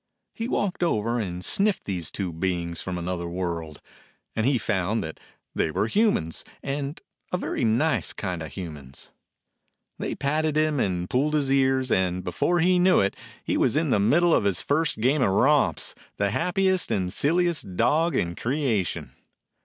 He walked over and sniffed these two beings from another world; and he found that they were humans and a very nice kind of humans. 14 A DOG OF THE SIERRA NEVADAS They patted him and pulled his ears, and before he knew it he was in the middle of his first game of romps, the happiest and silliest dog in creation.